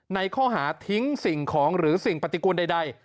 ในข้อหาทิ้งสิ่งของหรือสิ่งปฏิกูลใด